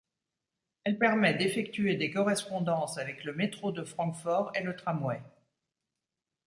Elle permet d'effectuer des correspondances avec le métro de Francfort et le tramway.